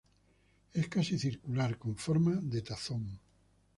Es casi circular, con forma de tazón.